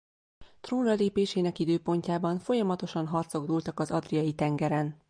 Trónra lépésének időpontjában folyamatosan harcok dúltak az Adriai-tengeren.